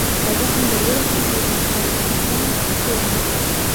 که زخم در ورسیږي لکه چنګ په چیغو مه شه.